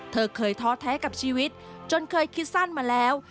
เธอเคยท้อแท้กับชีวิตจนเคยคิดสั้นมาแล้ว